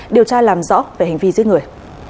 điều tra làm rõ về hành vi giết người